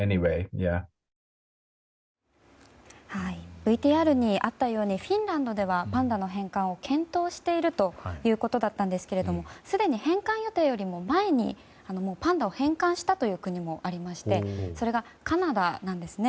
ＶＴＲにあったようにフィンランドではパンダの返還を検討しているということだったんですけれどもすでに返還予定よりも前にパンダを返還した国もありましてそれがカナダなんですね。